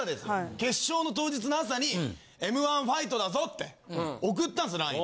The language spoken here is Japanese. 決勝の当日の朝に『Ｍ−１』ファイトだぞって送ったんですＬＩＮＥ。